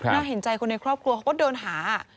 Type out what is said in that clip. เห็นใจคนในครอบครัวเขาก็เดินหา